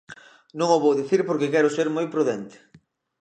Non o vou dicir porque quero ser moi prudente.